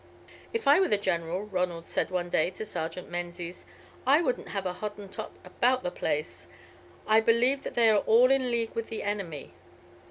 "If I were the General," Ronald said one day to Sergeant Menzies, "I wouldn't have a Hottentot about the place. I believe that they are all in league with the enemy.